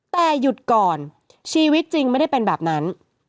แต่หยุดก่อนชีวิตจริงไม่ได้เป็นแบบนั้น